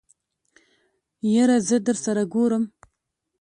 يره زه درسره ګورم.